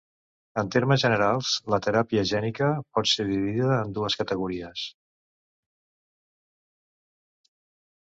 En termes generals, la teràpia gènica pot ser dividida en dues categories.